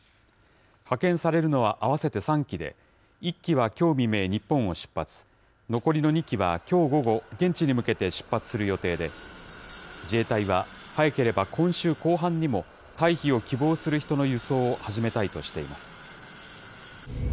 派遣されるのは合わせて３機で、１機はきょう未明、日本を出発、残りの２機はきょう午後、現地に向けて出発する予定で、自衛隊は、早ければ今週後半にも、退避を希望する人の輸送を始めたいとしています。